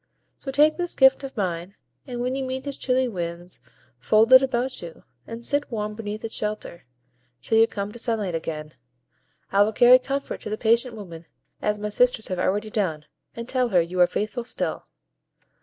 So take this gift of mine, and when you meet his chilly winds, fold it about you, and sit warm beneath its shelter, till you come to sunlight again. I will carry comfort to the patient woman, as my sisters have already done, and tell her you are faithful still."